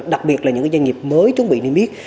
đặc biệt là những doanh nghiệp mới chuẩn bị niêm yết